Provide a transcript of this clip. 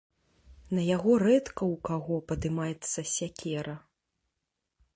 На яго рэдка ў каго падымаецца сякера.